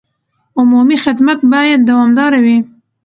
عمومي خدمت باید دوامداره وي.